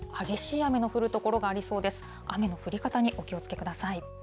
雨の降り方にお気をつけください。